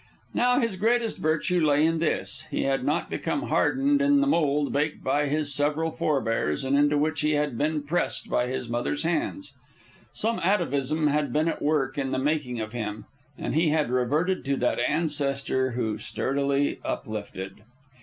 Now his greatest virtue lay in this: he had not become hardened in the mould baked by his several forbears and into which he had been pressed by his mother's hands. Some atavism had been at work in the making of him, and he had reverted to that ancestor who sturdily uplifted.